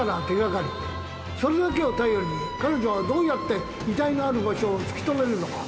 それだけを頼りに彼女はどうやって遺体のある場所を突き止めるのか？